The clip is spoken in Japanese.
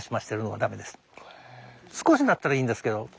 少しだったらいいんですけど。